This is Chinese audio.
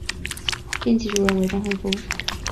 编辑部主任为章汉夫。